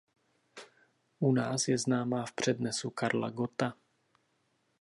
U nás je známá v přednesu Karla Gotta.